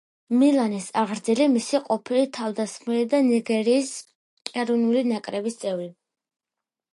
მილანის აღზრდილი, მისი ყოფილი თავდამსხმელი და ნიგერიის ეროვნული ნაკრების წევრი.